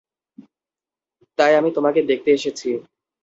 তাই আমি তোমাকে দেখতে এসেছি।